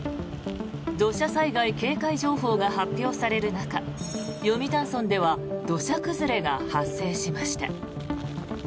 土砂災害警戒情報が発表される中読谷村では土砂崩れが発生しました。